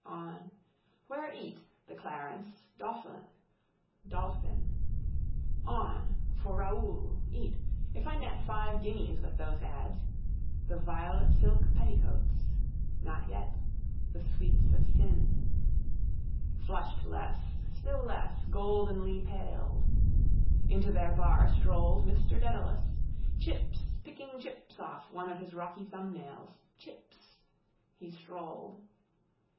On. Where eat? The Clarence, Dolphin. On. For Raoul. Eat. If I net five guineas with those ads. The violet silk petticoats. Not yet. The sweets of sin. Flushed less, still less, goldenly paled. Into their bar strolled Mr Dedalus. Chips, picking chips off one of his rocky thumbnails. Chips. He strolled.